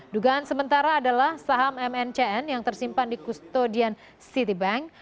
dugaan sementara adalah saham mncn yang tersimpan di kustodian city bank